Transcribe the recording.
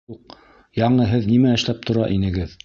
Юҡ, яңы һеҙ нимә эшләп тора инегеҙ?